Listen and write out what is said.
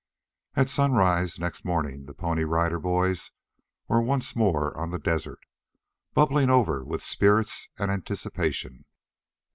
At sunrise next morning the Pony Rider Boys were once more on the desert, bubbling over with spirits and anticipation.